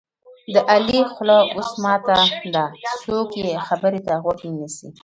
د علي خوله اوس ماته ده څوک یې خبرې ته غوږ نه نیسي.